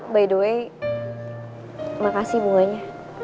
btw makasih bunganya